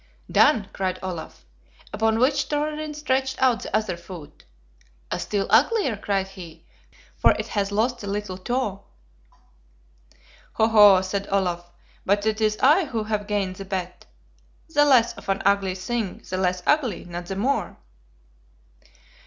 "Done!" cried Olaf. Upon which Thorarin stretched out the other foot. "A still uglier," cried he; "for it has lost the little toe." "Ho, ho!" said Olaf; "but it is I who have gained the bet. The less of an ugly thing the less ugly, not the more!"